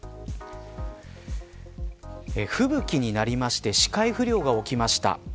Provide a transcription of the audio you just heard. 吹雪になりまして視界不良が起きました。